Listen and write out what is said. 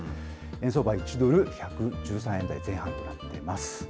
円相場、１ドル１１３円台前半となっています。